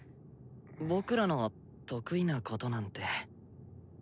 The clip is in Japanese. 僕らの得意なことなんて。